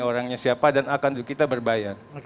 orangnya siapa dan akan kita berbayar